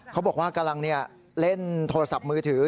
เขาบอกว่ากำลังเล่นโทรศัพท์มือถือ